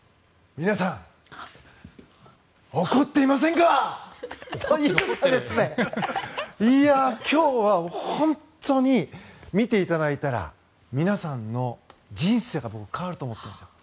皆さん怒っていませんか！ということで今日は本当に見ていただいたら皆さんの人生が僕、変わると思っているんです。